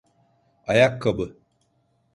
Ayakkabı.